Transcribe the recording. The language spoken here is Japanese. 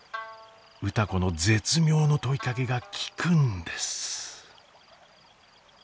歌子の絶妙の問いかけが効くんです。